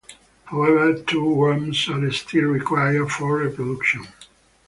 However, two worms are still required for reproduction.